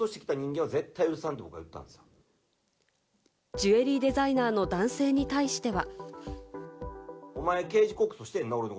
ジュエリーデザイナーの男性に対しては。